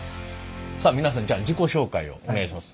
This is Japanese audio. さあ皆さんじゃあ自己紹介をお願いします。